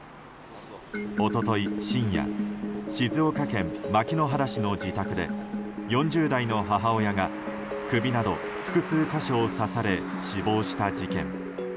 一昨日深夜静岡県牧之原市の自宅で４０代の母親が首など複数箇所を刺され死亡した事件。